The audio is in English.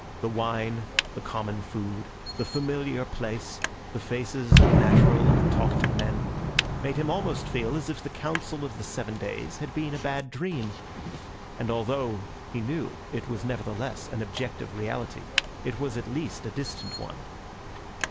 The wine, the common food, the familiar place, the faces of natural and talkative men, made him almost feel as if the Council of the Seven Days had been a bad dream; and although he knew it was nevertheless an objective reality, it was at least a distant one.